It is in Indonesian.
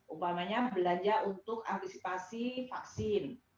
umpamanya belanja untuk antisipasi vaksin